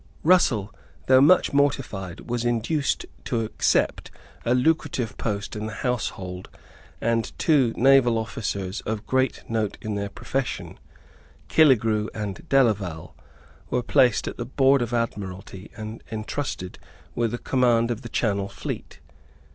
Russell, though much mortified, was induced to accept a lucrative post in the household; and two naval officers of great note in their profession, Killegrew and Delaval, were placed at the Board of Admiralty and entrusted with the command of the Channel Fleet.